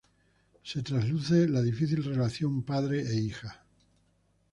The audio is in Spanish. Se trasluce la difícil relación padre e hija.